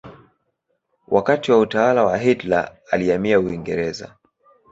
Wakati wa utawala wa Hitler alihamia Uingereza.